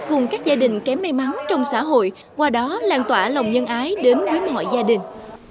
cùng các gia đình kém may mắn trong xã hội qua đó lan tỏa lòng nhân ái đến với mọi gia đình